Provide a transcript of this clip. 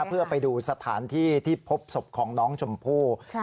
เพื่อไปดูสถานที่ที่พบศพของน้องชมพู่